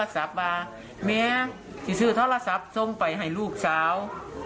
ศัพท์อ่ะแมงจิชื่อท่อลาสพท์ส่งไปให้ลูกสาว